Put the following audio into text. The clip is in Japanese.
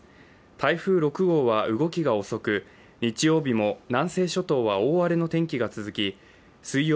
台風６号は動きが遅く日曜日も南西諸島は大荒れの天気が続き水曜